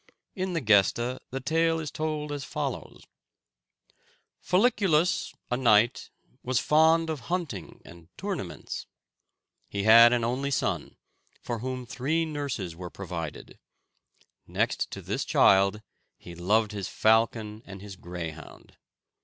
In the "Gesta" the tale is told as follows: "Folliculus, a knight, was fond of hunting and tournaments. He had an only son, for whom three nurses were provided. Next to this child, he loved his falcon and his greyhound.